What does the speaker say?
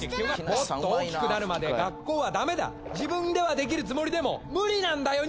もっと大きくなるまで学校はダメだ自分ではできるつもりでも無理なんだよ